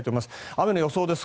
雨の予想です。